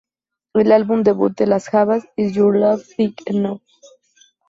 El álbum debut de La Havas, "Is Your Love Big Enough?